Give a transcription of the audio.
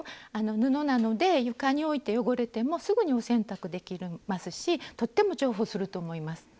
布なので床に置いて汚れてもすぐにお洗濯できますしとっても重宝すると思います。